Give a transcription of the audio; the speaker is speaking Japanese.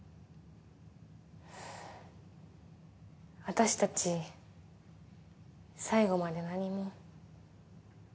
私たち最後まで何も。